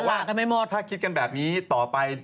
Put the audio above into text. พี่มากพูดแบบนี่ถ้าคิดกันแบบนี้ต่อไป